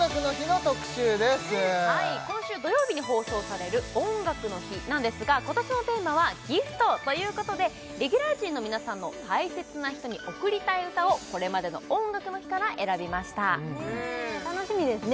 今週土曜日に放送される「音楽の日」なんですが今年のテーマは「ＧＩＦＴギフト」ということでレギュラー陣の皆さんの大切な人に贈りたい歌をこれまでの「音楽の日」から選びましたねえ楽しみですね